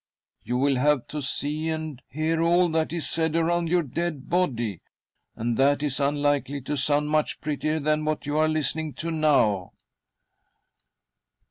" You will have to he and hear all that is said around your dead body— and that is unlikely to sound much prettier than what you are listening h now.".